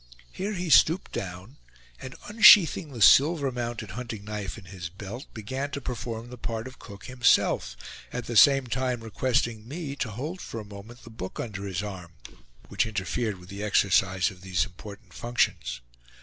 Here he stooped down, and unsheathing the silver mounted hunting knife in his belt, began to perform the part of cook himself; at the same time requesting me to hold for a moment the book under his arm, which interfered with the exercise of these important functions.